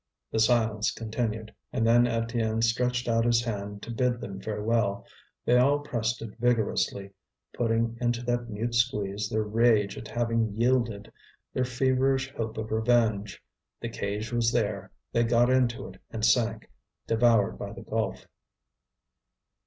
The silence continued, and when Étienne stretched out his hand to bid them farewell, they all pressed it vigorously, putting into that mute squeeze their rage at having yielded, their feverish hope of revenge. The cage was there; they got into it and sank, devoured by the gulf.